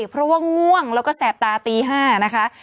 เพราะว่าง่วงแล้วก็แสบตาตี๕นะคะ